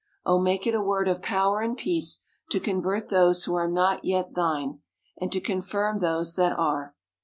Oh, make it a word of power and peace, to convert those who are not yet thine, and to confirm those that are.